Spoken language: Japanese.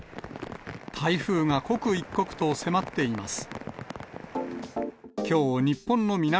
台風が刻一刻と迫っています。